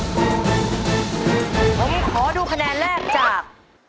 ผมขอดูคะแนนแรกจาก